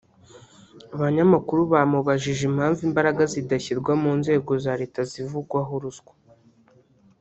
Abanyamakuru bamubajije impamvu imbaraga zidashyirwa mu nzego za leta zivugwaho ruswa